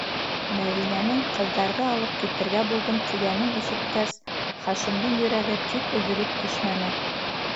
Мәҙинәнең: «Ҡыҙҙарҙы алып китергә булдым!» тигәнен ишеткәс, Хашимдың йөрәге тик өҙөлөп төшмәне.